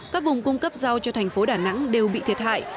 các vùng cung cấp rau cho thành phố đà nẵng đều bị thiệt hại